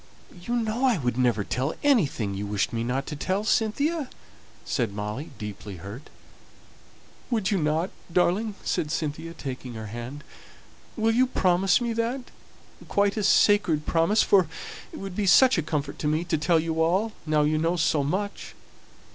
"You know I would never tell anything you wished me not to tell, Cynthia," said Molly, deeply hurt. "Would you not, darling?" said Cynthia, taking her hand. "Will you promise me that? quite a sacred promise? for it would be such a comfort to me to tell you all, now you know so much."